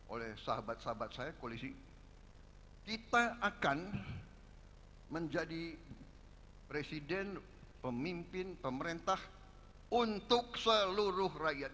oleh sahabat sahabat saya koalisi kita akan menjadi presiden pemimpin pemerintah untuk seluruh rakyat